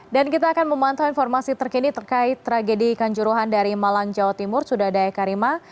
dan kita akan memantau informasi terkini terkait tragedi ikan juruhan dari malang jawa timur sudadaya karima